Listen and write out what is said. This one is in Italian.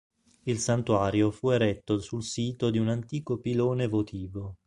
Il santuario fu eretto sul sito di un antico pilone votivo.